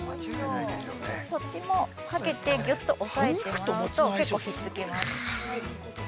そっちもかけて、ぎゅうっと押さえてもらうと結構、ひっつきます。